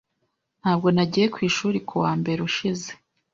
Ntabwo nagiye ku ishuri kuwa mbere ushize.